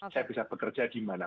saya bisa bekerja di mana